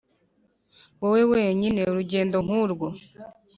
wowe wenyine? urugendo nk'urwo